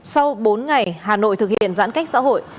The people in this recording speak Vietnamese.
sau bốn ngày hà nội thực hiện giãn cách xã hội